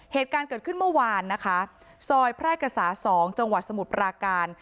เหตุการณ์เกิดขึ้นเมื่อวานนะคะซอยแพร่กษา๒จังหวัดสมุทรปราการ